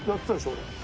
俺。